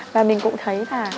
và mình cũng thấy là